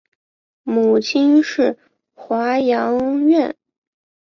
母亲是华阳院。